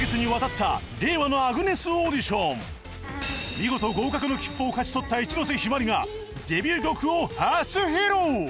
見事合格の切符を勝ち取った一ノ瀬陽鞠がデビュー曲を初披露！